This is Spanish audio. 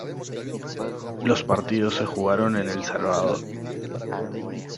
Los partidos se jugaron en El Salvador.